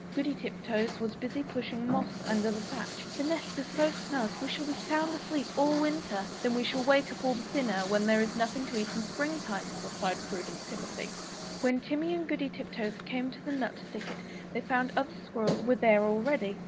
Goody Tiptoes was busy pushing moss under the thatch "The nest is so snug, we shall be sound asleep all winter." "Then we shall wake up all the thinner, when there is nothing to eat in spring time," replied prudent Timothy. When Timmy and Goody Tiptoes came to the nut thicket, they found other squirrels were there already.